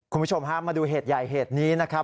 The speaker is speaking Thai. คุณผู้ชมฮะมาดูเหตุใหญ่เหตุนี้นะครับ